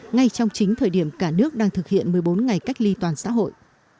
ngay trong chính thời điểm cả nước đang thực hiện một mươi bốn ngày cách ly toàn xã hội